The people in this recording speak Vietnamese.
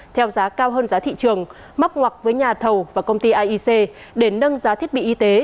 theo giá cao hơn giá thị trường móc ngoặc với nhà thầu và công ty iec để nâng giá thiết bị y tế